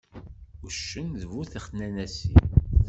Uccen d bu texnanasin.